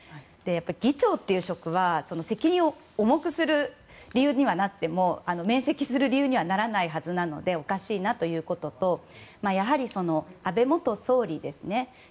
議長という職は責任を重くする理由にはなっても免責する理由にはならないはずなのでおかしいなということとやはり安倍元総理ですね。